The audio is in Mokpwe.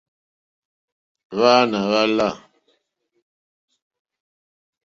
Hwáǎnà hwá láǃá.